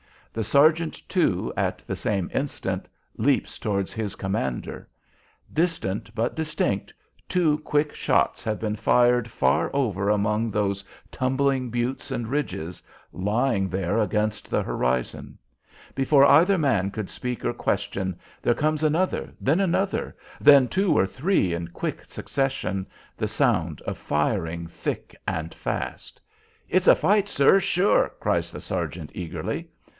The sergeant, too, at the same instant, leaps towards his commander. Distant, but distinct, two quick shots have been fired far over among those tumbling buttes and ridges lying there against the horizon. Before either man could speak or question, there comes another, then another, then two or three in quick succession, the sound of firing thick and fast. "It's a fight, sir, sure!" cries the sergeant, eagerly.